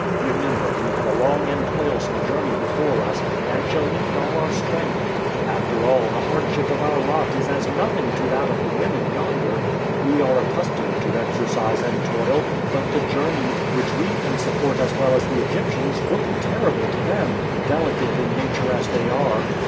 Remember we have a long and toilsome journey before us, and shall need all our strength. After all, the hardship of our lot is as nothing to that of the women yonder. We are accustomed to exercise and toil, but the journey, which we can support as well as the Egyptians, will be terrible to them, delicate in nature as they are.